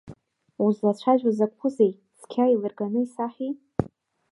Узлацәажәо закәызеи, цқьа еиларганы исаҳәи.